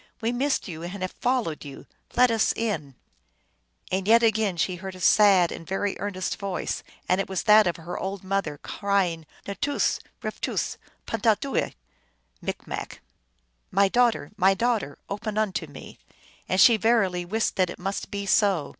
" We missed you, and have followed you. Let us in !" And yet again she heard a sad and very earnest voice, and it was that of her old mother, cry ing, " N toos\ rftoos\pantahdooel" M., "My daugh ter ! my daughter ! open unto me !" and she verily wist that it must be so.